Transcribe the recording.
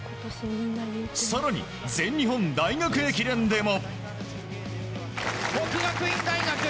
更に全日本大学駅伝でも。